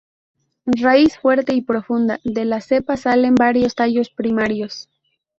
Raíz fuerte y profunda, de la cepa salen varios tallos primarios.